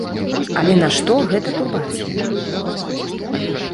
Але нашто гэта турбацыя?